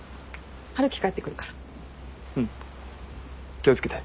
気を付けて。